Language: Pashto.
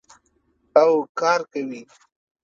او کار کوي.